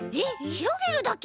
ひろげるだけ？